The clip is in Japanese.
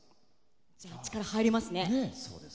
じゃあ、力が入りますね。